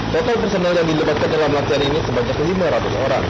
total personel yang dilibatkan dalam latihan ini sebanyak lima ratus orang